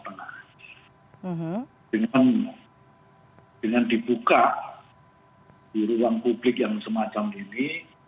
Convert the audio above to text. dengan dibuka di ruang publik yang semacam ini